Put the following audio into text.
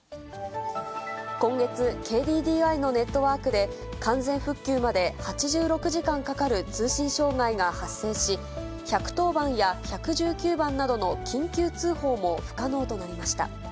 今月、ＫＤＤＩのネットワークで完全復旧まで８６時間かかる通信障害が発生し、１１０番や１１９番などの緊急通報も不可能となりました。